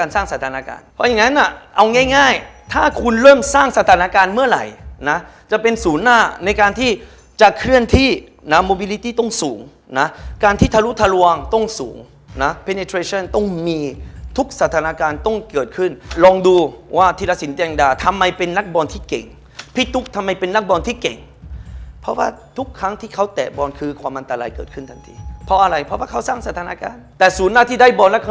สร้างสถานการณ์เมื่อไหร่จะเป็นสูญหน้าในการที่จะเคลื่อนที่ต้องสูงการที่ทะลุทะลวงต้องสูงต้องมีทุกสถานการณ์ต้องเกิดขึ้นลองดูว่าธิรสินเตียงดาทำไมเป็นนักบอลที่เก่งพี่ตุ๊กทำไมเป็นนักบอลที่เก่งเพราะว่าทุกครั้งที่เขาแตะบอลคือความอันตรายเกิดขึ้นทันทีเพราะอะไรเพราะว่าเขาสร้างสถานก